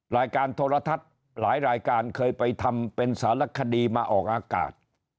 รายการโทรทัศน์หลายรายการเคยไปทำเป็นสารคดีมาออกอากาศ